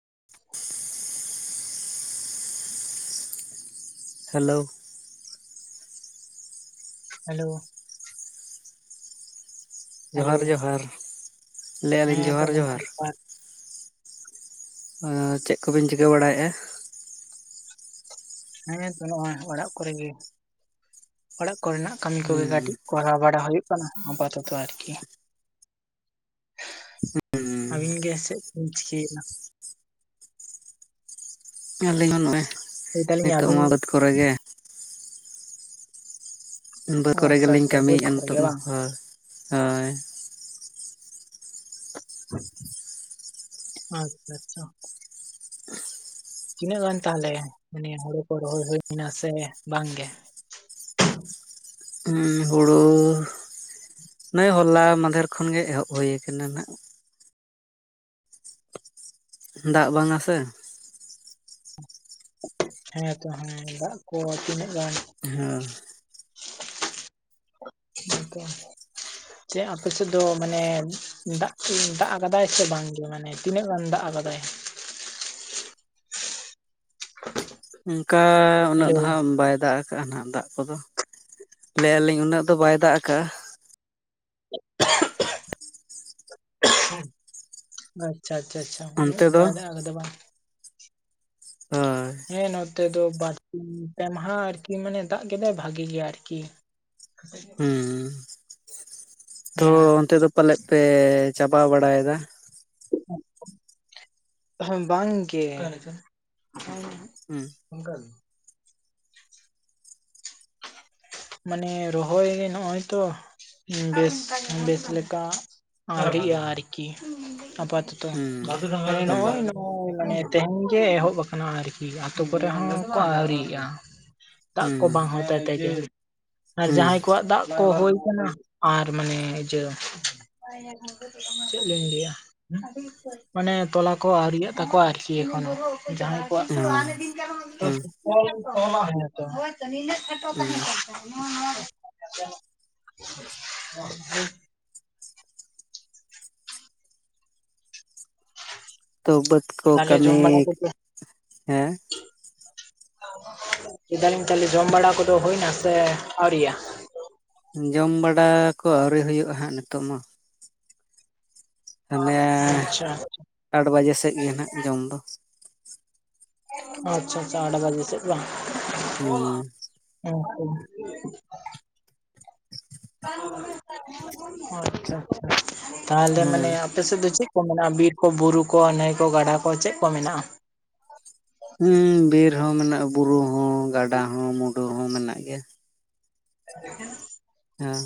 [unintelligible] Hello hello ᱡᱚᱦᱟᱨ hello, ᱡᱚᱦᱟᱨ ᱞᱟᱹᱭ ᱟᱹᱞᱤᱧ ᱦᱮᱸ ᱛᱚ ᱡᱚᱦᱟᱨ ᱜᱚᱝᱠᱮ ᱡᱚᱦᱟᱨ ᱦᱮᱸ ᱪᱮᱫ ᱠᱚᱵᱤᱱ ᱪᱤᱠᱟᱹ ᱵᱟᱲᱟᱭᱮᱫᱼᱟ? ᱦᱮᱸᱛᱚ ᱱᱚᱜᱼᱚᱭ ᱚᱲᱟᱜ ᱠᱚᱨᱮ ᱜᱮ᱾ ᱚᱲᱟᱜ ᱠᱚᱨᱮᱱᱟᱜ ᱠᱟᱹᱢᱤ ᱠᱚᱜᱮ ᱠᱟᱹᱴᱤᱡ ᱦᱮᱸ ᱠᱚᱨᱟᱣ ᱵᱟᱲᱟ ᱦᱩᱭᱩᱜ ᱠᱟᱱᱟ ᱟᱯᱛᱚᱛᱚ ᱟᱨᱠᱤ᱾ ᱟᱹᱵᱤᱱ ᱜᱮ ᱥᱮᱫ ᱵᱤᱱ ᱪᱤᱠᱟᱹᱭᱱᱟ? ᱟᱹᱞᱤᱧ ᱦᱚᱸ ᱱᱚᱜᱼᱚᱭ ᱞᱟᱹᱭ ᱫᱟᱞᱤᱧ ᱱᱤᱛᱚᱜ ᱟᱹᱵᱤᱱ ᱢᱟ ᱵᱟᱹᱫᱽ ᱠᱚᱨᱮ ᱜᱮ᱾ ᱵᱟᱹᱫᱽ ᱠᱚᱨᱮ ᱟᱪᱪᱷᱟ ᱜᱮᱞᱤᱧ ᱟᱪᱪᱷᱟ ᱵᱟᱹᱫᱽ ᱠᱟᱹᱢᱤᱭᱮᱫᱼᱟ ᱠᱚᱨᱮ ᱱᱤᱛᱳᱜ ᱜᱮ ᱢᱟ, ᱵᱟᱝ ᱦᱳᱭ ᱦᱳᱭ ᱟᱪᱪᱷᱟ ᱟᱪᱪᱷᱟ ᱛᱤᱱᱟᱹᱜ ᱜᱟᱱ ᱛᱟᱦᱚᱞᱮ ᱢᱟᱱᱮ ᱦᱳᱲᱳ ᱠᱚ ᱨᱚᱦᱚᱭ ᱦᱩᱭᱱᱟ, ᱥᱮ ᱵᱟᱝ ᱜᱮ ᱦᱩᱲᱩ ᱱᱚᱜᱼᱚᱭ ᱦᱚᱞᱟ ᱢᱟᱫᱷᱮᱨ ᱠᱷᱚᱱ ᱜᱮ ᱮᱦᱚᱵ ᱦᱩᱭ ᱟᱠᱟᱱᱟ ᱱᱟᱜ᱾ ᱫᱟᱜ ᱵᱟᱝᱟ ᱥᱮ ᱦᱮᱸᱛᱚ ᱦᱮᱸ ᱫᱟᱜ ᱠᱚ ᱛᱤᱱᱟᱹᱜ ᱜᱟᱱ ᱦᱮᱸ [inaudible] [unintelligible] ᱡᱮ ᱟᱯᱮ ᱥᱮᱫ ᱫᱚ ᱢᱟᱱᱮ ᱫᱟᱜ ᱫᱟᱜ ᱠᱟᱫᱟᱭ ᱥᱮ ᱵᱟᱝᱜᱮ? ᱢᱟᱱᱮ ᱛᱤᱱᱟᱹᱜ ᱜᱟᱱ ᱫᱟᱜ ᱟᱠᱟᱫᱟᱭ? ᱚᱱᱠᱟ ᱩᱱᱟᱹᱜ ᱦᱮᱞᱳ ᱫᱚ ᱦᱟᱸᱜ ᱵᱟᱭ ᱫᱟᱜ ᱱᱟᱦᱟᱜ ᱫᱟᱜ ᱠᱚᱫᱚ, ᱞᱟᱹᱭ ᱟᱞᱤᱧ ᱩᱱᱟᱹᱜ ᱫᱚ ᱵᱟᱭ ᱫᱟᱜ ᱟᱠᱟᱜᱼᱟ᱾ [unintelligible] ᱟᱪᱪᱷᱟ ᱟᱪᱪᱷᱟ ᱟᱪᱪᱷᱟ ᱩᱱᱟᱹᱜ ᱚᱱᱛᱮ ᱫᱚ ᱵᱟᱭ ᱫᱟᱜ ᱟᱠᱟᱫᱟ ᱵᱟᱝ᱾ ᱦᱮᱸ ᱦᱮᱸ ᱱᱚᱛᱮ ᱫᱚ ᱵᱟᱹᱲᱛᱤ ᱯᱮ ᱢᱟᱦᱟ ᱟᱨᱠᱤ ᱢᱟᱱᱮ ᱫᱟᱜ ᱠᱮᱫᱟᱭ ᱵᱷᱟᱜᱤ ᱜᱮᱭᱟ ᱟᱨᱠᱤ᱾ ᱦᱮᱸ [unintelligible] ᱛᱚ ᱦᱮᱸ ᱚᱱᱛᱮ ᱫᱚ ᱯᱟᱞᱮᱫ ᱯᱮ ᱪᱟᱵᱟ ᱵᱟᱲᱟᱭᱮᱫᱟ? [unintelligible] ᱦᱮ ᱵᱟᱝ ᱜᱮ ᱦᱮᱸ ᱚᱱᱠᱟ ᱜᱮ [unintelligible] ᱢᱟᱱᱮ ᱨᱚᱦᱚᱭ ᱜᱮ ᱱᱚᱜᱼᱚᱭ ᱛᱚ ᱵᱮᱥ ᱵᱮᱥ ᱞᱮᱠᱟ ᱟᱣᱨᱤ ᱟᱨᱠᱤ ᱠᱤ ᱟᱯᱟ ᱛᱚᱛᱚ ᱦᱮᱸ ᱦᱮᱸ ᱢᱟᱱᱮ ᱛᱮᱦᱮᱧ ᱜᱮ ᱮᱦᱚᱵ ᱟᱠᱟᱱᱟ ᱟᱨᱠᱤ ᱟᱛᱳ ᱠᱚᱨᱮ ᱦᱚᱸ ᱚᱱᱠᱟ ᱟᱹᱣᱨᱤᱭᱜ-ᱟ ᱫᱟᱜ ᱦᱩᱸ ᱠᱚ ᱵᱟᱝ ᱦᱚᱭ ᱞᱮᱱ ᱛᱮᱜᱮ ᱟᱨ ᱦᱩᱸ ᱡᱟᱦᱟᱸᱭ ᱠᱚᱣᱟᱜ ᱫᱟᱜ ᱠᱚ ᱦᱩᱭ ᱟᱠᱟᱱᱟ ᱟᱨ ᱢᱟᱱᱮ ᱤᱭᱟᱹ ᱪᱮᱫ ᱞᱤᱧ ᱞᱟᱹᱭᱟ ᱢᱟᱱᱮ ᱛᱚᱞᱟ ᱠᱚ ᱟᱹᱣᱨᱤᱭᱟᱜ ᱛᱟᱠᱚᱣᱟ ᱟᱨ ᱠᱤ ᱮᱠᱷᱚᱱᱚ ᱦᱚᱸ ᱡᱟᱦᱟᱸᱭ ᱫᱤᱱ ᱦᱩᱸ ᱦᱩᱸ [unintelligible] [unintelligible] ᱛᱚ ᱵᱟᱹᱫᱽ ᱠᱚ ᱛᱟᱦᱚᱞᱮ ᱡᱚᱢ ᱠᱟᱹᱢᱤ ᱵᱟᱲᱟ ᱠᱚᱫᱚ ᱦᱮᱸ ᱞᱟᱹᱭ ᱮᱫᱟᱞᱤᱧ ᱛᱟᱞᱦᱮ ᱡᱚᱢ ᱵᱟᱲᱟ ᱠᱚᱫᱚ ᱦᱩᱭ ᱮᱱᱟ ᱥᱮ ᱟᱹᱣᱨᱤᱭᱟᱹ ᱡᱚᱢ ᱵᱟᱲᱟ ᱠᱚ ᱟᱹᱣᱨᱤ ᱦᱩᱭᱩᱜ-ᱟ ᱦᱟᱸᱜ ᱱᱤᱛᱚᱜ ᱢᱟ ᱦᱟᱱᱮ ᱟᱪᱪᱷᱟ ᱟᱴ ᱵᱟᱡᱮ ᱥᱮᱫ ᱜᱮ ᱱᱟᱜ ᱡᱚᱢ ᱫᱚ ᱟᱪᱪᱷᱟ ᱟᱪᱪᱷᱟ ᱟᱴ ᱵᱟᱡᱮ ᱥᱮᱫ ᱵᱟᱝ ᱦᱩᱸ ᱦᱩᱸ ᱟᱪᱪᱷᱟ ᱟᱪᱪᱷᱟ ᱛᱟᱦᱞᱮ ᱦᱮᱸ ᱢᱟᱱᱮ ᱟᱯᱮ ᱥᱮᱫ ᱫᱚ ᱪᱮᱫ ᱠᱚ ᱢᱮᱱᱟᱜ-ᱟ ᱵᱤᱨ ᱠᱚ ᱵᱩᱨᱩ ᱠᱚ ᱱᱟᱹᱭ ᱠᱚ ᱜᱟᱰᱟ ᱠᱚ ᱪᱮᱫ ᱠᱚ ᱢᱮᱱᱟᱜ-ᱟ ᱦᱮᱸ ᱵᱤᱨ ᱦᱚᱸ ᱢᱮᱱᱟᱜ-ᱟ ᱵᱩᱨᱩ ᱦᱚᱸ ᱜᱟᱰᱟ ᱦᱚᱸ ᱢᱩᱸᱰᱩ ᱦᱚᱸ ᱢᱮᱱᱟᱜ ᱜᱮᱭᱟ ᱞᱮᱠᱤᱱ ᱦᱮᱸ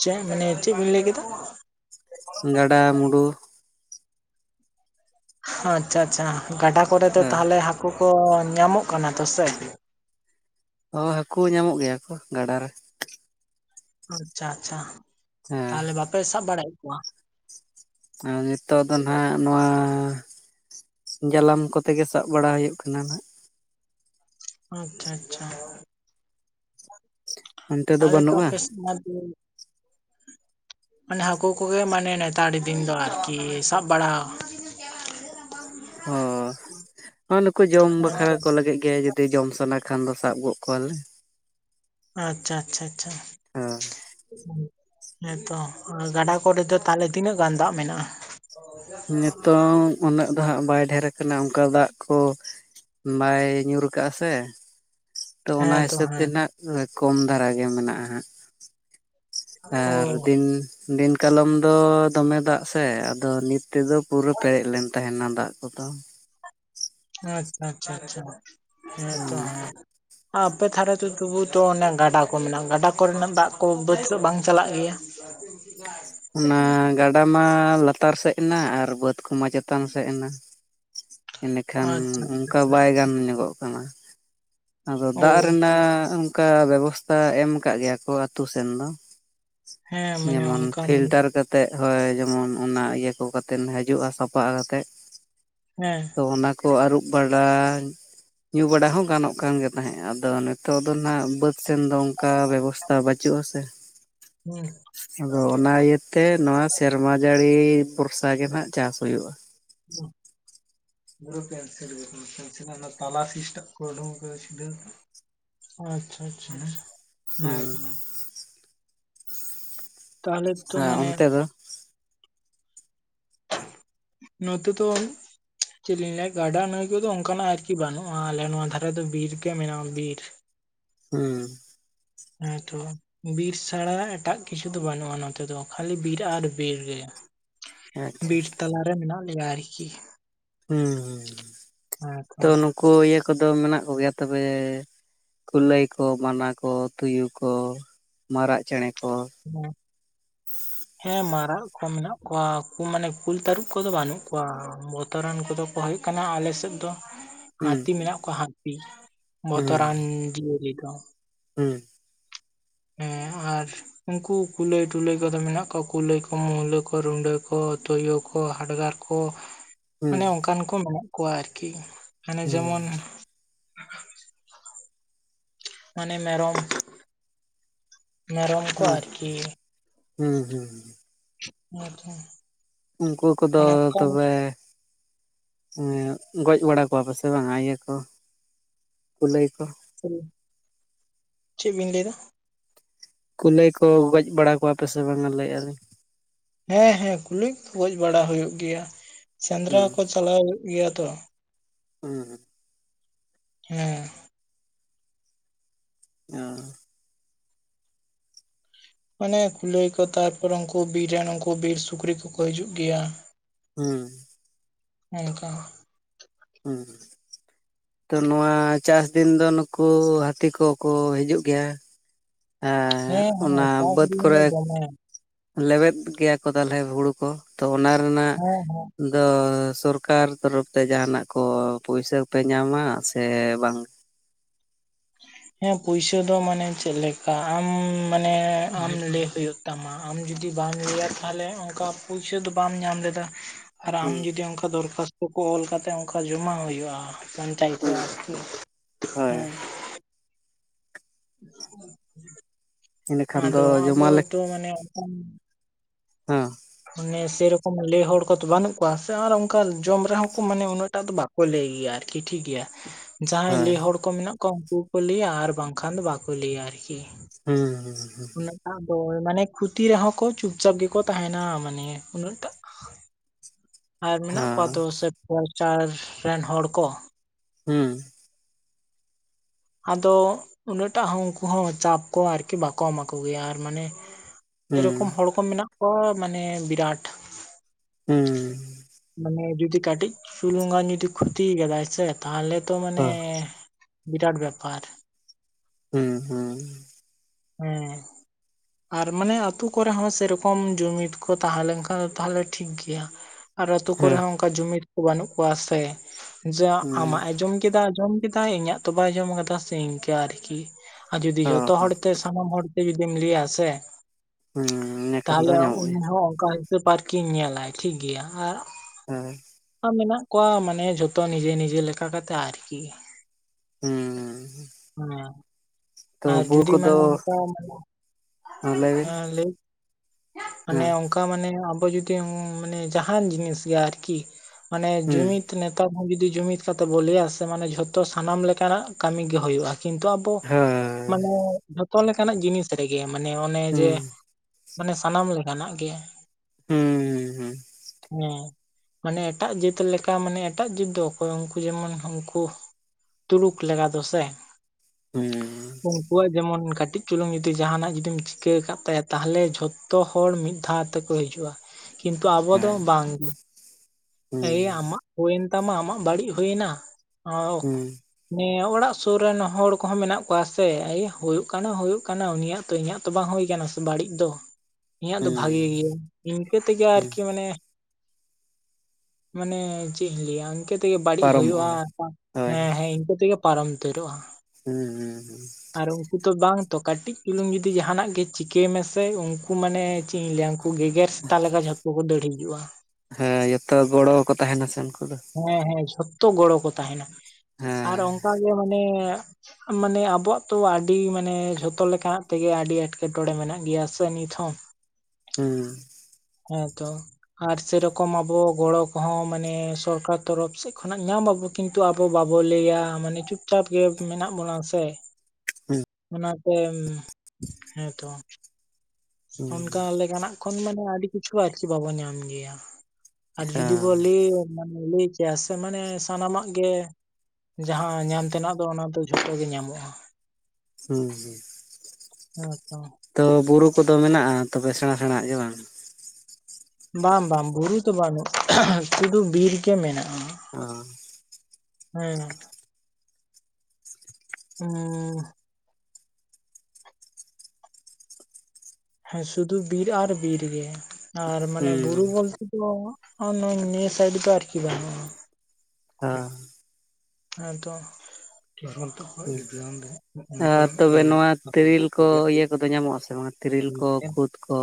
ᱪᱮᱫ ᱢᱟᱱᱮ ᱪᱮᱫ ᱵᱤᱱ ᱞᱟᱹᱭ ᱠᱮᱫᱟ ᱜᱟᱰᱟ ᱢᱩᱸᱰᱩ ᱟᱪᱪᱷᱟ ᱟᱪᱪᱷᱟ ᱜᱟᱰᱟ ᱠᱚᱨᱮ ᱫᱚ ᱦᱮᱸ ᱛᱟᱦᱚᱞᱮ ᱦᱟᱹᱠᱩ ᱠᱚ ᱧᱟᱢᱚᱜ ᱠᱟᱱᱟ ᱛᱚ ᱥᱮ ᱦᱳᱭ ᱦᱟᱹᱠᱩ ᱧᱟᱢᱚᱜ ᱜᱮᱭᱟ ᱠᱚ ᱜᱟᱰᱟ ᱨᱮ ᱟᱪᱪᱷᱟ ᱟᱪᱪᱷᱟ ᱛᱟᱦᱚᱞᱮ ᱦᱮᱸ ᱵᱟᱯᱮ ᱥᱟᱵ ᱵᱟᱲᱟ ᱮᱫ ᱠᱚᱣᱟ ᱟᱨ ᱱᱤᱛᱚᱜ ᱫᱚ ᱱᱟᱦᱟᱜ ᱱᱚᱣᱟ ᱡᱟᱞᱟᱢ ᱠᱚᱛᱮ ᱜᱮ ᱥᱟᱵ ᱵᱟᱲᱟ ᱦᱩᱭᱩᱜ ᱠᱟᱱᱟ ᱱᱟᱦᱟᱜ ᱟᱪᱪᱷᱟ ᱟᱪᱪᱷᱟ ᱚᱱᱛᱮ ᱟᱞᱮ ᱫᱚ ᱵᱟᱹᱱᱩᱜᱼᱟ ᱟᱯᱮ [unintelligible] [unintelligible] ᱢᱟᱱᱮ ᱦᱟᱹᱠᱩ ᱠᱚᱜᱮ ᱢᱟᱱᱮ ᱱᱮᱛᱟᱨ ᱟᱹᱰᱤ ᱫᱤᱱ ᱫᱚ ᱟᱨᱠᱤ ᱥᱟᱵ ᱵᱟᱲᱟ ᱦᱚᱸ ᱟᱨ ᱱᱩᱠᱩ ᱡᱚᱢ ᱵᱟᱠᱷᱨᱟ ᱦᱮᱸᱛᱚ ᱠᱚ ᱞᱟᱹᱜᱤᱫ ᱜᱮ ᱡᱩᱫᱤ ᱛᱮ ᱡᱚᱢ ᱥᱟᱱᱟ ᱠᱷᱟᱱ ᱫᱚ ᱥᱟᱵ ᱜᱚᱜ ᱠᱚᱣᱟᱞᱮ ᱟᱪᱪᱷᱟ ᱟᱪᱪᱷᱟ ᱟᱪᱪᱷᱟ ᱦᱳᱭ ᱦᱮᱸ ᱛᱚ ᱟᱨ ᱜᱟᱰᱟ ᱠᱚ ᱨᱮ ᱫᱚ ᱛᱟᱦᱚᱞᱮ ᱛᱤᱱᱟᱹᱜ ᱜᱟᱱ ᱫᱟᱜ ᱢᱮᱱᱟᱜ-ᱟ ᱱᱤᱛᱚᱝ ᱩᱱᱟᱹᱜ ᱫᱚ ᱦᱟᱸᱜ ᱵᱟᱭ ᱰᱷᱮᱨ ᱟᱠᱟᱱᱟ ᱚᱱᱠᱟ ᱫᱟᱜ ᱠᱚ ᱵᱟᱭ ᱧᱩᱨ ᱠᱟᱜᱼᱟ ᱥᱮ᱾ ᱛᱚ ᱚᱱᱟ ᱦᱮᱸᱛᱚ ᱦᱤᱥᱟᱹᱵ ᱛᱮ ᱦᱮᱸ ᱱᱟᱜ ᱠᱚᱢ ᱫᱷᱟᱨᱟ ᱜᱮ ᱢᱮᱱᱟᱜᱼᱟ ᱦᱟᱸᱜ᱾ ᱳ ᱟᱨ ᱫᱤᱱ ᱫᱤᱱ ᱠᱟᱞᱚᱢ ᱫᱚ ᱫᱚᱢᱮ ᱫᱟᱜ ᱥᱮ ᱟᱫᱚ ᱱᱤᱛ ᱛᱮᱫᱚ ᱯᱩᱨᱟᱹ ᱯᱮᱨᱮᱡ ᱞᱮᱱ ᱛᱟᱦᱮᱱᱟ ᱫᱟᱜ ᱠᱚᱫᱚ᱾ ᱟᱪᱪᱷᱟ ᱟᱪᱪᱷᱟ ᱟᱪᱪᱷᱟ ᱦᱮᱸ ᱛᱚ ᱦᱩᱸ ᱦᱮᱸ ᱟ ᱟᱯᱮ ᱛᱷᱟᱨ ᱨᱮ ᱛᱩᱵᱩ ᱛᱚ ᱚᱱᱮ ᱜᱟᱰᱟ ᱠᱚ ᱢᱮᱱᱟᱜᱼᱟ ᱜᱟᱰᱟ ᱠᱚ ᱨᱮᱱᱟᱜ ᱫᱟᱜ ᱠᱚ ᱵᱟᱹᱫᱽ ᱵᱟᱝ ᱪᱟᱞᱟᱜ ᱜᱮᱭᱟ? [unintelligible] ᱚᱱᱟ ᱜᱟᱰᱟ ᱢᱟ ᱞᱟᱛᱟᱨ ᱥᱮᱫ ᱮᱱᱟ ᱟᱨ ᱵᱟᱹᱫᱽ ᱠᱚᱢᱟ ᱪᱮᱛᱟᱱ ᱥᱮᱫ ᱮᱱᱟ᱾ ᱮᱱᱮᱠᱷᱟᱱ ᱟᱪᱪᱷᱟ ᱚᱝᱠᱟ ᱟᱪᱪᱷᱟ ᱵᱟᱭ ᱜᱟᱱ ᱧᱚᱜᱚᱜ ᱠᱟᱱᱟ᱾ ᱟᱫᱚ ᱫᱟᱜ ᱚ ᱨᱮᱱᱟᱜ ᱚᱝᱠᱟ ᱵᱮᱵᱚᱥᱛᱷᱟ ᱮᱢ ᱠᱟᱜ ᱜᱮᱭᱟ ᱠᱚ ᱟᱛᱳ ᱥᱮᱱ ᱫᱚ᱾ ᱦᱮᱸ ᱢᱟᱱᱮ ᱚᱝᱠᱟ ᱢᱟᱱᱮ ᱮᱨ ᱠᱟᱛᱮᱜ ᱦᱳᱭ ᱡᱮᱢᱚᱱ ᱚᱱᱟ ᱤᱭᱟᱹ ᱠᱚ ᱠᱟᱛᱮᱱ ᱦᱤᱡᱩᱜᱼᱟ ᱥᱟᱯᱷᱟ ᱠᱟᱛᱮᱫ᱾ ᱦᱮᱸ ᱛᱚ ᱚᱱᱟ ᱠᱚ ᱟᱹᱨᱩᱵ ᱵᱟᱲᱟ ᱧᱩ ᱵᱟᱲᱟ ᱦᱚᱸ ᱜᱟᱱᱚᱜ ᱠᱟᱱ ᱜᱮ ᱛᱟᱦᱮᱸᱫ ᱟᱫᱚ ᱱᱤᱛᱚᱜ ᱫᱚ ᱱᱟᱦᱱᱟᱜ ᱵᱟᱹᱫ ᱥᱮᱱ ᱫᱚ ᱚᱝᱠᱟ ᱵᱮᱵᱚᱥᱛᱟ ᱵᱟᱹᱪᱩᱜᱼᱟ ᱥᱮ᱾ ᱦᱩᱸ ᱟᱫᱚ ᱠᱟᱱ ᱜᱮᱭᱟ ᱚᱱᱟ ᱤᱭᱟᱹᱛᱮ ᱱᱚᱣᱟ ᱥᱮᱨᱢᱟ ᱡᱟᱹᱲᱤ ᱵᱷᱚᱨᱥᱟ ᱜᱮ ᱱᱟᱦᱟᱜ ᱪᱟᱥ ᱦᱩᱭᱩᱜᱼᱟ᱾ [inaudible] [unintelligible] ᱟᱪᱪᱷᱟ ᱟᱪᱪᱷᱟ ᱚᱱᱟ ᱦᱩᱸ ᱜᱮ ᱠᱟᱱᱟ᱾ ᱛᱟᱦᱚᱞᱮ ᱛᱚ ᱟᱨ ᱢᱟᱱᱮ ᱚᱱᱛᱮ ᱫᱚ ᱱᱚᱛᱮ ᱛᱚ ᱪᱮᱫ ᱞᱤᱧ ᱞᱟᱹᱭᱟ ᱜᱟᱰᱟ ᱱᱟᱹᱩᱭ ᱠᱚᱫᱚ ᱚᱝᱠᱟᱱᱟᱜ ᱟᱨᱠᱤ ᱵᱟᱹᱱᱩᱜᱼᱟ ᱟᱞᱮ ᱱᱚᱣᱟ ᱫᱷᱟᱨᱮ ᱫᱚ ᱵᱤᱨ ᱜᱮ ᱢᱮᱱᱟᱜᱼᱟ ᱵᱤᱨ᱾ ᱦᱩᱸ ᱦᱮᱸ ᱛᱚ ᱵᱤᱨ ᱥᱟᱲᱟ ᱮᱴᱟᱜ ᱠᱤᱪᱷᱩ ᱫᱚ ᱵᱟᱱᱩᱜᱼᱟ ᱱᱚᱛᱮ ᱫᱚ ᱠᱷᱟᱹᱞᱤ ᱵᱤᱨ ᱟᱨ ᱵᱤᱨ ᱜᱮ᱾ ᱟᱪᱪᱷᱟ ᱵᱤᱨ ᱛᱟᱞᱟᱨ ᱨᱮ ᱢᱮᱱᱟᱜ ᱞᱮᱭᱟ ᱟᱨᱠᱤ᱾ ᱦᱩᱸ ᱛᱚ ᱱᱩᱠᱩ ᱤᱭᱟᱹ ᱠᱚᱫᱚ ᱢᱮᱱᱟᱜ ᱠᱚᱜᱮᱭᱟ ᱛᱚᱵᱮ? ᱠᱩᱞᱟᱹᱭ ᱠᱚ, ᱵᱟᱱᱟ ᱠᱚ, ᱛᱩᱭᱩ ᱠᱚ, ᱢᱟᱨᱟᱜ ᱪᱮᱬᱮ ᱠᱚ᱾ [inaudible] [inaudible] ᱦᱮᱸ ᱢᱟᱨᱟᱜ ᱠᱚ ᱢᱮᱱᱟᱜ ᱠᱚᱣᱟ, ᱠᱩ ᱢᱟᱱᱮ ᱠᱩᱞ ᱛᱟᱹᱨᱩᱵ ᱠᱚᱫᱚ ᱵᱟᱹᱱᱩᱜ ᱠᱚᱣᱟ᱾ ᱛᱚᱨᱟᱱ ᱠᱚᱫᱚ ᱠᱚ ᱦᱩᱭᱩᱜ ᱠᱟᱱᱟ ᱟᱞᱮᱥᱮᱫ ᱫᱚ [inaudible] ᱦᱟᱹᱛᱤ ᱢᱮᱱᱟᱜ ᱠᱚᱣᱟ ᱦᱟᱹᱛᱤ ᱦᱩᱸ ᱵᱚᱛᱚᱨᱟᱱ ᱡᱤᱭᱟᱹᱞᱤ ᱫᱚ᱾ ᱦᱩᱸ ᱦᱮᱸ ᱟᱨ ᱩᱝᱠᱩ ᱠᱩᱞᱟᱹᱭ ᱴᱩᱞᱟᱹᱭ ᱠᱚᱫᱚ ᱢᱮᱱᱟᱜ ᱠᱚᱣᱟ ᱠᱩᱞᱟᱹᱭ ᱠᱚ ᱢᱩᱦᱞᱟᱹ ᱠᱚ ᱨᱩᱸᱰᱟᱹ ᱠᱚ ᱛᱩᱭᱩ ᱠᱚ ᱦᱟᱰᱜᱟᱨ ᱠᱚ ᱦᱩᱸ ᱢᱟᱱᱮ ᱚᱱᱠᱟᱱ ᱠᱚ ᱢᱮᱱᱟᱜ ᱠᱚᱣᱟ ᱟᱨᱠᱤ ᱢᱟᱱᱮ ᱦᱩᱸ ᱡᱮᱢᱚᱱ ᱢᱟᱱᱮ ᱢᱮᱨᱚᱢ ᱢᱮᱨᱚᱢ ᱠᱚ ᱦᱮᱸ ᱟᱨᱠᱤ᱾ ᱦᱩᱸ ᱦᱩᱸ ᱟᱪᱪᱷᱟ ᱩᱝᱠᱩ ᱠᱚᱫᱚ ᱛᱚᱵᱮ ᱮᱜ ᱜᱚᱡ ᱵᱟᱲᱟ ᱠᱚᱣᱟ ᱯᱟᱥᱮ ᱵᱟᱝ ᱤᱭᱟᱹ ᱠᱚ ᱠᱩᱞᱟᱹᱭ ᱠᱚ [unintelligible] ᱪᱮᱜ ᱵᱤᱱ ᱞᱟᱹᱭᱫᱟ? ᱠᱩᱞᱟᱹᱭ ᱠᱚ ᱜᱚᱡ ᱵᱟᱲᱟ ᱠᱚᱣᱟᱯᱮ ᱥᱮ ᱵᱟᱝᱟ ᱞᱟᱹᱭᱮᱜᱼᱟᱹᱞᱤᱧ? ᱦᱮᱸ ᱦᱮᱸ ᱠᱩᱞᱟᱹᱭ ᱜᱚᱡ ᱵᱟᱲᱟ ᱦᱩᱭᱩᱜ ᱜᱮᱭᱟ, ᱥᱮᱸᱫᱽᱨᱟ ᱦᱩᱸ ᱠᱚ ᱪᱟᱞᱟᱣ ᱦᱩᱭᱩᱜ ᱜᱮᱭᱟ ᱛᱚ᱾ ᱩᱸ ᱦᱮᱸ ᱚ ᱢᱟᱱᱮ ᱠᱩᱞᱟᱹᱭ ᱠᱚ ᱛᱟᱨᱯᱚᱨ ᱩᱱᱠᱩ ᱵᱤᱨ ᱨᱮᱱ ᱩᱱᱠᱩ ᱵᱤᱨ ᱥᱩᱠᱨᱤ ᱠᱚᱠᱚ ᱦᱤᱡᱩᱜ ᱜᱮᱭᱟ ᱦᱩᱸ ᱚᱱᱠᱟ ᱦᱩᱸ ᱛᱚ ᱱᱚᱣᱟ ᱪᱟᱥ ᱫᱤᱱ ᱫᱚ ᱱᱩᱠᱩ ᱦᱟᱹᱛᱤ ᱠᱚᱠᱚ ᱦᱤᱡᱩᱜ ᱜᱮᱭᱟ ᱟᱨ ᱦᱮᱸ ᱚᱱᱟ ᱦᱮᱸ ᱪᱟᱥ ᱵᱟᱹᱫ ᱫᱤᱱ ᱫᱚ ᱠᱚᱨᱮ ᱫᱚᱢᱮ ᱞᱮᱵᱮᱫ ᱜᱮᱭᱟ ᱠᱚ ᱛᱟᱦᱚᱞᱮ ᱦᱩᱲᱩ ᱠᱚ ᱛᱚ ᱚᱱᱟ ᱨᱮᱱᱟᱜ ᱦᱮᱸ ᱦᱮᱸ ᱫᱚ ᱥᱚᱨᱠᱟᱨ ᱛᱚᱨᱚᱯ ᱛᱮ ᱡᱟᱦᱟᱱᱟᱜ ᱠᱚ ᱯᱩᱭᱥᱟᱹ ᱯᱮ ᱧᱟᱢᱟ ᱥᱮ ᱵᱟᱝ ᱦᱮᱸ ᱯᱩᱭᱥᱟᱹ ᱫᱚ ᱢᱟᱱᱮ ᱪᱮᱫ ᱞᱮᱠᱟ ᱟᱢ ᱢᱟᱱᱮ ᱟᱢ ᱞᱟᱹᱭ ᱦᱳᱭᱳᱜ ᱛᱟᱢᱟ ᱟᱢ ᱡᱩᱫᱤ ᱵᱟᱢ ᱞᱟᱹᱭᱟ ᱛᱟᱦᱚᱞᱮ ᱚᱱᱠᱟ ᱯᱩᱭᱥᱟᱹ ᱫᱚ ᱵᱟᱢ ᱧᱟᱢ ᱞᱮᱫᱟ ᱟᱨ ᱟᱢ ᱦᱩᱸ ᱡᱩᱫᱤ ᱚᱱᱠᱟ ᱫᱚᱨᱠᱷᱟᱥᱛᱚ ᱠᱩ ᱠᱚ ᱚᱞ ᱠᱟᱛᱮ ᱚᱱᱠᱟ ᱡᱚᱢᱟ ᱦᱩᱭᱩᱜ-ᱟ ᱯᱧᱪᱟᱭᱮᱛ ᱨᱮ ᱦᱩᱸ ᱟᱨᱠᱤ ᱦᱳᱭ ᱦᱮᱸ ᱤᱱᱟᱹᱠᱷᱟᱱ ᱫᱚ ᱟᱫᱚ ᱡᱚᱢᱟ ᱟᱵᱚ ᱛᱚ ᱢᱟᱱᱮ ᱦᱮᱸ ᱚᱱᱮ ᱥᱮᱨᱚᱠᱚᱢ ᱞᱟᱹᱭ ᱦᱚᱲ ᱠᱚᱫᱚ ᱵᱟᱹᱱᱩᱜ ᱠᱚᱣᱟ ᱥᱮ ᱟᱨ ᱚᱱᱠᱟ ᱡᱚᱢ ᱨᱮᱦᱚᱸ ᱠᱚ ᱢᱟᱱᱮ ᱩᱱᱟᱹᱜᱴᱟᱜ ᱫᱚ ᱵᱟᱝ ᱠᱚ ᱞᱟᱹᱭ ᱜᱮᱭᱟ ᱟᱨᱠᱤ ᱴᱷᱤᱠ ᱜᱮᱭᱟ [unintelligible] ᱡᱟᱦᱟᱭ ᱞᱟᱹᱭ ᱦᱚᱲ ᱠᱚ ᱢᱮᱱᱟᱜ ᱠᱚᱣᱟ ᱩᱱᱠᱩᱠᱚ ᱞᱟᱹᱭᱟ ᱟᱨ ᱵᱟᱝᱠᱷᱟᱱ ᱫᱚ ᱵᱟᱠᱚ ᱞᱟᱹᱭᱟ ᱟᱨᱠᱤ ᱦᱮᱸ ᱦᱮᱸ ᱩᱱᱟᱹᱜ ᱴᱟᱜ ᱫᱚ ᱢᱟᱱᱮ ᱠᱷᱩᱛᱤ ᱨᱮᱦᱚᱸ ᱠᱚ ᱪᱩᱯᱪᱟᱯ ᱜᱮᱠᱚ ᱛᱟᱦᱮᱱᱟ ᱢᱟᱱᱮ ᱩᱱᱟᱹᱜ ᱴᱟᱜ [unintelligible] ᱟᱨ ᱢᱮᱱᱟᱜ ᱠᱚᱣᱟ ᱦᱩᱸ ᱛᱚ ᱥᱮ ᱯᱚᱞᱪᱟᱨ ᱨᱮᱱ ᱦᱚᱲ ᱠᱚ ᱦᱩᱸ ᱟᱫᱚ ᱩᱱᱟᱹᱜᱴᱟᱜ ᱦᱚᱸ ᱩᱱᱠᱩ ᱦᱚᱸ ᱪᱟᱯ ᱠᱚ ᱟᱨᱠᱤ ᱵᱟᱠᱚ ᱮᱢᱟ ᱠᱚ ᱜᱮᱭᱟ ᱟᱨ ᱢᱟᱱᱮ ᱥᱮᱨᱚᱠᱚᱢ ᱦᱚᱲ ᱠᱚ ᱢᱮᱱᱟᱜ ᱠᱚᱣᱟ ᱢᱟᱱᱮ ᱵᱤᱨᱟᱴ ᱦᱚᱸ ᱦᱩᱸ ᱦᱩᱸ ᱢᱟᱱᱮ ᱡᱩᱫᱤ ᱠᱟᱴᱤᱡ ᱪᱩᱞᱩᱝ ᱟᱱ ᱡᱩᱫᱤ ᱠᱷᱚᱛᱤ ᱠᱟᱫᱟᱭ ᱥᱮ ᱛᱟᱦᱮ ᱛᱚ ᱦᱩᱸ ᱢᱟᱱᱮ ᱚ ᱵᱤᱨᱟᱴ ᱵᱮᱯᱟᱨ ᱦᱮᱸ ᱦᱮᱸ ᱦᱮᱸ ᱟᱨ ᱢᱟᱱᱮ ᱟᱹᱛᱩ ᱠᱚᱨᱮ ᱦᱚᱸ ᱥᱮᱨᱚᱠᱚᱢ ᱡᱩᱢᱤᱫ ᱠᱚ ᱛᱟᱦᱮᱸ ᱞᱮᱱᱠᱷᱟᱱ ᱫᱚ ᱛᱟᱦᱚᱞᱮ ᱴᱷᱤᱠ ᱜᱮᱭᱟ ᱟᱨ ᱟᱹᱛᱩ ᱠᱚᱨᱮ ᱦᱮᱸ ᱦᱚᱸ ᱚᱱᱠᱟ ᱡᱩᱢᱤᱫ ᱠᱚ ᱵᱟᱹᱱᱩᱜ ᱠᱚᱣᱟ ᱥᱮ ᱡᱮ ᱦᱩᱸ ᱟᱢᱟᱜ ᱮ ᱡᱚᱢ ᱠᱮᱫᱟ ᱡᱚᱢ ᱠᱮᱫᱟᱭ ᱤᱧᱟᱹᱜ ᱛᱚ ᱵᱟᱭ ᱡᱚᱢ ᱠᱟᱫᱟ ᱥᱮ ᱤᱱᱠᱟᱹ ᱟᱨᱠᱤ ᱟᱨ ᱡᱩᱫᱤ ᱚ ᱡᱚᱛᱚ ᱦᱚᱲ ᱦᱚᱸ ᱥᱟᱱᱟᱢ ᱦᱚᱲᱛᱮ ᱡᱩᱫᱤᱢ ᱞᱟᱹᱭᱟ ᱥᱮ ᱦᱩᱸ ᱤᱱᱟᱹᱠᱷᱟᱱ ᱫᱚ ᱛᱟᱦᱚᱞᱮ ᱧᱟᱢᱚᱜ ᱜᱮᱭᱟ ᱩᱱᱤ ᱦᱚᱸ ᱚᱱᱠᱟ ᱯᱟᱨᱠᱤᱧ ᱧᱮᱞᱟ ᱴᱷᱤᱠ ᱜᱮᱭᱟ ᱟᱨ ᱦᱮᱸ ᱚᱱᱠᱟ ᱢᱮᱱᱟᱜ ᱠᱚᱣᱟ ᱢᱟᱱᱮ ᱡᱷᱚᱛᱚ ᱱᱤᱡᱮ ᱱᱤᱡᱮ ᱞᱮᱠᱟ ᱠᱟᱛᱮᱜ ᱟᱨᱠᱤ ᱦᱩᱸ ᱛᱚ ᱦᱟ ᱟᱨ ᱵᱩᱨ ᱡᱩᱫᱤ ᱤ ᱠᱚᱫᱚ ᱢᱟᱱᱮ ᱚᱱᱠᱟ ᱢᱟᱱᱮ ᱞᱟᱹᱭ ᱵᱤᱱ ᱦᱮᱸ ᱞᱟᱹᱭ ᱢᱟᱱᱮ ᱦᱮᱸ ᱚᱱᱠᱟ ᱢᱟᱱᱮ ᱟᱵᱚ ᱡᱩᱫᱤ ᱢᱟᱱᱮ ᱡᱟᱦᱟᱱ ᱡᱤᱱᱤᱥ ᱜᱮ ᱟᱨᱠᱤ ᱢᱟᱱᱮ ᱦᱩᱸ ᱡᱩᱢᱤᱫ ᱱᱮᱛᱟᱨ ᱦᱚᱸ ᱡᱩᱫᱤ ᱡᱩᱢᱤᱫ ᱠᱟᱛᱮ ᱵᱚ ᱞᱟᱹᱭᱟ ᱥᱮ ᱢᱟᱱᱮ ᱡᱚᱷᱛᱚ ᱥᱟᱱᱟᱢ ᱞᱮᱠᱟᱱᱟᱜ ᱠᱟᱹᱢᱤ ᱜᱮ ᱦᱩᱭᱩᱜ-ᱟ ᱠᱤᱱᱛᱩ ᱟᱵᱚ ᱦᱳᱭ ᱢᱟᱱᱮ ᱡᱚᱛᱚ ᱞᱮᱠᱟᱱᱟᱜ ᱡᱤᱱᱤᱥ ᱨᱮᱜᱮ ᱢᱟᱱᱮ ᱚᱱᱮ ᱡᱮ ᱦᱩᱸ ᱢᱟᱱᱮ ᱥᱟᱱᱟᱢ ᱞᱮᱠᱟᱱᱟᱜ ᱜᱮ ᱦᱩᱸ ᱦᱩᱸ ᱦᱩᱸ ᱦᱮᱸ ᱢᱟᱱᱮ ᱮᱴᱟᱜ ᱡᱟᱹᱛ ᱞᱮᱠᱟ ᱢᱟᱱᱮ ᱮᱴᱟᱜ ᱡᱟᱹᱛ ᱫᱚ ᱚᱠᱚᱭ ᱩᱱᱠᱩ ᱡᱮᱢᱚᱱ ᱩᱱᱠᱩ ᱛᱩᱲᱩᱠ ᱞᱮᱠᱟ ᱫᱚ ᱥᱮ ᱦᱩᱸ ᱩᱱᱠᱩᱣᱟᱜ ᱡᱮᱢᱚᱱ ᱠᱟᱹᱴᱤᱡ ᱪᱩᱞᱩᱝ ᱡᱩᱫᱤ ᱡᱟᱦᱟᱱᱟᱜ ᱡᱩᱫᱤᱢ ᱪᱤᱠᱟᱹ ᱟᱠᱟᱫ ᱛᱟᱭᱟ ᱛᱟᱦᱚᱞᱮ ᱡᱷᱚᱛᱚ ᱦᱚᱲ ᱢᱤᱫ ᱫᱷᱟᱣ ᱛᱮᱠᱚ ᱦᱤᱡᱩᱜ-ᱟ ᱠᱤᱱᱛᱩ ᱟᱵᱚ ᱦᱩᱸ ᱫᱚ ᱦᱮᱸ ᱵᱟᱝᱜᱮ ᱮᱭᱟ ᱦᱩᱸ ᱟᱢᱟᱜ ᱦᱩᱭᱮᱱ ᱛᱟᱢᱟ ᱟᱢᱟᱜ ᱵᱟᱹᱲᱤᱡ ᱦᱩᱭ ᱮᱱᱟ ᱚ ᱚᱠ ᱦᱩᱸ ᱱᱮ ᱚᱲᱟᱜ ᱥᱩᱨ ᱨᱮᱱ ᱦᱚᱲ ᱠᱚᱦᱚᱸ ᱢᱮᱱᱟᱜ ᱠᱚᱣᱟ ᱥᱮ ᱟᱭᱮ ᱦᱩᱭᱩᱜ ᱠᱟᱱᱟ ᱦᱩᱭᱩᱜ ᱠᱟᱱᱟ ᱩᱱᱤᱭᱟᱜ ᱛᱚ ᱤᱧᱟᱜ ᱛᱚ ᱵᱟᱝ ᱦᱩᱭ ᱟᱠᱟᱱᱟ ᱥᱮ ᱵᱟᱹᱲᱤᱡ ᱫᱚ [inaudible] ᱤᱧᱟᱜ ᱫᱚ ᱵᱷᱟᱹᱜᱤ ᱜᱮᱭᱟ ᱤᱱᱠᱟᱹ ᱛᱮᱜᱮ ᱦᱮᱸ ᱟᱨᱠᱤ ᱢᱟᱱᱮ ᱢᱟᱱᱮ ᱪᱮᱫ ᱤᱧ ᱞᱟᱹᱭᱟ ᱤᱱᱠᱟᱹ ᱛᱮᱜᱮ ᱵᱟᱹᱲᱤᱡ ᱦᱩᱭᱩᱜ-ᱟ ᱯᱟᱨᱚᱢᱚᱜᱼᱟ ᱦᱳᱭ ᱦᱮᱸ ᱦᱮᱸ ᱤᱱᱠᱟᱹ ᱛᱮᱜᱮ ᱯᱟᱨᱚᱢ ᱩᱛᱟᱹᱨᱚᱜ-ᱟ ᱦᱩᱸ ᱦᱩᱸ ᱦᱩᱸ ᱟᱨ ᱩᱱᱠᱩ ᱛᱚ ᱵᱟᱝ ᱛᱚ ᱠᱟᱹᱴᱤᱡ ᱪᱩᱞᱩᱝ ᱡᱩᱫᱤ ᱡᱟᱦᱟᱱᱟᱜ ᱜᱮ ᱪᱤᱠᱟᱹᱭ ᱢᱮᱥᱮ ᱩᱱᱠᱩ ᱢᱟᱱᱮ ᱪᱮᱫ ᱤᱧ ᱞᱟᱹᱭᱟ ᱜᱮᱜᱮᱨ ᱥᱮᱛᱟ ᱞᱮᱠᱟ ᱡᱷᱚᱛᱚ ᱠᱚ ᱫᱟᱹᱲ ᱦᱤᱡᱩᱜ-ᱟ ᱦᱮᱸ ᱡᱚᱛᱚ ᱜᱚᱲᱚ ᱠᱚ ᱛᱟᱦᱮᱱᱟ ᱥᱮ ᱩᱱᱠᱩ ᱫᱚ ᱦᱮᱸ ᱦᱮᱸ ᱡᱷᱚᱛᱚ ᱜᱚᱲᱚ ᱠᱚ ᱛᱟᱦᱮᱱᱟ ᱟᱨ ᱦᱮᱸ ᱚᱱᱠᱟᱜ ᱜᱮ ᱢᱟᱱᱮ ᱢᱟᱱᱮ ᱟᱵᱚᱣᱟᱜ ᱛᱚ ᱟᱹᱰᱤ ᱢᱟᱱᱮ ᱡᱷᱚᱛᱚ ᱞᱮᱠᱟᱱᱟᱜ ᱛᱮᱜᱮ ᱟᱹᱰᱤ ᱮᱴᱠᱮᱴᱚᱬᱮ ᱢᱮᱱᱟᱜ ᱜᱮᱭᱟ ᱥᱮ ᱱᱤᱛ ᱦᱚᱸ ᱦᱩᱸ ᱦᱮᱸ ᱛᱚ ᱟᱨ ᱥᱮᱨᱚᱠᱚᱢ ᱟᱵᱚ ᱜᱚᱲᱚ ᱠᱚᱦᱚᱸ ᱢᱟᱱᱮ ᱥᱚᱨᱠᱟᱨ ᱛᱚᱨᱚᱯᱷ ᱥᱮᱫ ᱠᱷᱚᱱᱟᱜ ᱧᱟᱢ ᱟᱵᱚ ᱠᱤᱱᱛᱩ ᱟᱵᱚ ᱵᱟᱵᱚ ᱞᱟᱹᱭᱟ ᱢᱟᱱᱮ ᱪᱩᱯᱼ ᱪᱟᱯ ᱜᱮ ᱢᱮᱱᱟᱜ ᱵᱚᱱᱟ ᱥᱮ [inaudible] ᱚᱱᱟ ᱛᱮ ᱦᱮᱸᱛᱚ ᱦᱩᱸ ᱚᱱᱠᱟ ᱞᱮᱠᱟᱱᱟᱜ ᱠᱷᱚᱱ ᱢᱟᱱᱮ ᱟᱹᱰᱤ ᱠᱤᱪᱷᱩ ᱟᱨᱠᱤ ᱵᱟᱵᱚᱱ ᱧᱟᱢ ᱜᱮᱭᱟ ᱟᱨ ᱡᱩᱫᱤ ᱦᱮᱸ ᱵᱚᱱ ᱡᱩᱫᱤ ᱢᱟᱱᱮ ᱞᱟᱹᱭ ᱠᱮᱭᱟ ᱥᱮ ᱢᱟᱱᱮ ᱥᱟᱱᱟᱢᱟᱜ ᱜᱮ ᱡᱟᱦᱟᱸ ᱧᱟᱢ ᱛᱮᱱᱟᱜ ᱫᱚ ᱚᱱᱟ ᱫᱚ ᱡᱷᱚᱛᱚ ᱜᱮ ᱧᱟᱢᱚᱜᱼᱟ ᱦᱩᱸ ᱦᱩᱸ ᱦᱮᱸᱻ ᱛᱚ ᱛᱚ ᱵᱩᱨᱩ ᱠᱚᱫᱚ ᱢᱮᱱᱟᱜᱼᱟ ᱛᱚᱵᱮ ᱥᱮᱬᱟ ᱥᱮᱬᱟᱜ ᱦᱟᱸᱜ ᱜᱮ ᱵᱟᱝ ᱵᱟᱝ ᱵᱟᱝ ᱵᱩᱨᱩ ᱫᱚ ᱵᱟᱹᱱᱩᱜ ᱥᱩᱫᱩ ᱵᱤᱨ ᱜᱮ ᱢᱮᱱᱟᱜᱼᱟ [unintelligible] ᱦᱮᱸᱻ ᱦᱩᱸᱻ ᱦᱮᱸ ᱥᱩᱫᱩ ᱵᱤᱨ ᱟᱨ ᱵᱤᱨ ᱜᱮ ᱟᱨ ᱢᱟᱱᱮ ᱦᱩᱸ ᱵᱩᱨᱩ ᱵᱚᱞᱼᱼ [unintelligible] ᱱᱤᱭᱟᱹ ᱥᱟᱭᱤᱰ ᱫᱚ ᱟᱨᱠᱤ ᱵᱟᱹᱱᱩᱜᱼᱟ ᱦᱮᱸᱻ ᱦᱮᱸ ᱛᱚ [unintelligible] ᱱᱚᱜᱼ ᱦᱩᱸ ᱟᱨ ᱱᱚᱝᱠᱟᱱᱟᱜ ᱛᱚᱵᱮ ᱱᱚᱣᱟ ᱛᱤᱨᱤᱞ ᱠᱚ ᱢᱤᱫᱴᱟᱹᱝ [unintelligible] ᱤᱭᱟᱹ ᱠᱚᱫᱚ ᱧᱟᱢᱚᱜᱼᱟ ᱥᱮ ᱵᱟᱝ ᱛᱨᱮᱤᱞ ᱠᱚ ᱠᱩᱫᱽ ᱠᱚ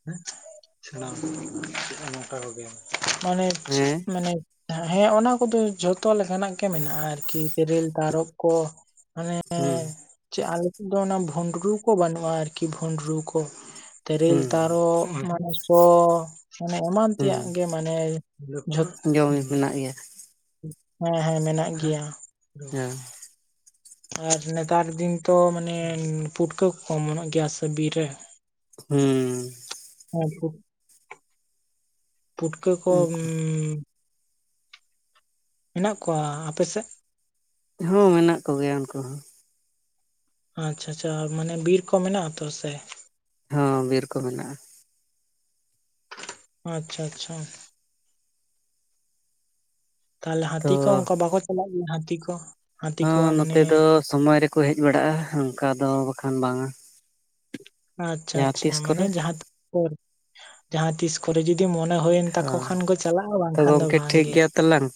[unintelligible] ᱢᱟᱱᱮ ᱪᱮᱫ ᱦᱮᱸ ᱢᱟᱱᱮ ᱱᱷᱟᱜ ᱦᱮᱸ ᱚᱱᱟ ᱠᱚᱫᱚ ᱡᱷᱚᱛᱚ ᱞᱮᱠᱟᱱᱟᱜ ᱜᱮ ᱢᱮᱱᱟᱜᱼᱟ ᱟᱨᱠᱤ ᱛᱤᱨᱤᱞ ᱛᱟᱨᱚᱵ ᱠᱚ ᱢᱟᱱᱮ ᱦᱩᱸᱻ ᱪᱮ ᱟᱞᱮ ᱥᱮᱫ ᱫᱚ ᱚᱱᱟ ᱵᱷᱩᱸᱰᱨᱩ ᱠᱚ ᱵᱟᱹᱱᱩᱜᱼᱟ ᱟᱨᱠᱤ ᱵᱷᱩᱸᱰᱨᱩ ᱠᱚ ᱛᱤᱨᱤᱞ ᱦᱩᱸ ᱛᱟᱨᱚᱵ [unintelligible] ᱠᱚ ᱢᱟᱱᱮ ᱮᱢᱟᱱ ᱦᱩᱸ ᱛᱮᱭᱟᱜ ᱜᱮ ᱢᱟᱱᱮ ᱡᱚᱢ ᱢᱮᱱᱟᱜ [unintelligible] ᱜᱮᱭᱟ ᱦᱮᱸ ᱦᱮᱸ ᱢᱮᱱᱟᱜ ᱜᱮᱭᱟ ᱦᱮᱸᱻ ᱟᱨ ᱱᱮᱛᱟᱨ ᱫᱤᱱ ᱛᱚ ᱢᱟᱱᱮ ᱯᱩᱴᱠᱟᱹ ᱠᱚᱠᱚ ᱚᱢᱚᱱᱚᱜ ᱜᱮᱭᱟ ᱥᱮ ᱵᱤᱨ ᱨᱮ ᱦᱩᱸᱻ ᱦᱮᱸ [unintelligible] ᱯᱩᱴᱠᱟᱹ ᱠᱚ ᱩᱸᱻ ᱩᱱᱠᱩ ᱢᱮᱱᱟᱜ ᱠᱚᱣᱟ ᱟᱯᱮ ᱥᱮᱫ ᱦᱩᱸ ᱢᱮᱱᱟᱜ ᱠᱚᱜᱮᱭᱟ ᱩᱱᱠᱩ ᱦᱚᱸ ᱟᱪᱷᱟ ᱟᱪᱷᱟ ᱢᱟᱱᱮ ᱵᱤᱨ ᱠᱚ ᱢᱮᱱᱟᱜ ᱟᱛᱚ ᱥᱮ ᱦᱚᱸ ᱵᱤᱨ ᱠᱚ ᱢᱮᱱᱟᱜᱼᱟ ᱟᱪᱷᱟ ᱟᱪᱷᱟ ᱛᱟᱦᱚᱞᱮ ᱛᱚ ᱦᱟᱹᱛᱤ ᱠᱚ ᱚᱱᱠᱟ ᱵᱟᱠᱚ ᱪᱟᱞᱟᱜ ᱜᱮᱭᱟ ᱦᱟᱹᱛᱤ ᱠᱚ ᱦᱟᱹᱛᱤ ᱦᱚᱸ ᱠᱚᱣᱟᱜ ᱢᱟᱱᱮ ᱱᱚᱛᱮ ᱫᱚ ᱥᱚᱢᱚᱭ ᱨᱮᱠᱚ ᱦᱮᱡ ᱵᱟᱲᱟᱜᱼᱟ ᱚᱱᱠᱟ ᱫᱚ ᱵᱟᱠᱷᱟᱱ ᱵᱟᱝᱟ ᱟᱪᱪᱷᱟ ᱡᱟᱦᱟᱸ ᱛᱤᱥ ᱟᱪᱪᱷᱟ ᱢᱟᱱᱮ ᱠᱚᱨᱮ ᱡᱟᱦᱟᱸ ᱛᱤᱥ ᱠᱚ ᱡᱟᱦᱟᱸ ᱛᱤᱥ ᱠᱚᱨᱮ ᱡᱩᱫᱤ ᱡᱩᱫᱤ ᱢᱚᱱᱮ ᱦᱩᱭᱮᱱ ᱛᱟᱠᱚ ᱦᱚᱸ ᱠᱷᱟᱱ ᱠᱚ ᱪᱟᱞᱟᱜᱼᱟ ᱛᱚ ᱵᱟᱝᱠᱷᱟᱱ ᱫᱚ ᱜᱚᱢᱠᱮ ᱴᱷᱤᱠ ᱵᱟᱝᱜᱮ᱾ ᱜᱮᱭᱟ ᱛᱟᱞᱟᱝ